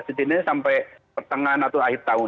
setidaknya sampai pertengahan atau akhir tahun